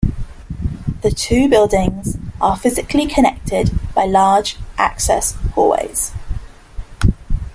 The two buildings are physically connected by large access hallways.